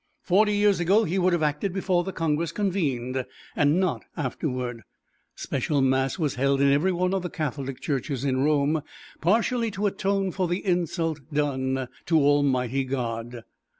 Forty years ago he would have acted before the Congress convened, and not afterward. Special mass was held in every one of the Catholic Churches in Rome, "partially to atone for the insult done to Almighty God."